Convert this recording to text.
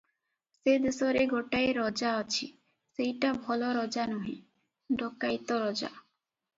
ସେ ଦେଶରେ ଗୋଟାଏ ରଜା ଅଛି, ସେଇଟା ଭଲ ରଜା ନୁହେ, ଡକାଇତ ରଜା ।